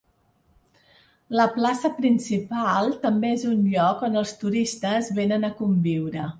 La plaça principal també és un lloc on els turistes vénen a conviure.